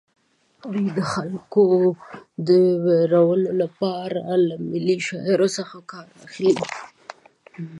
دوی د خلکو د ویرولو لپاره له ملي شعارونو څخه کار اخلي